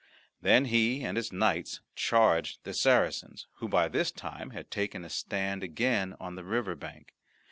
Then he and his knights charged the Saracens, who by this time had taken a stand again on the river bank.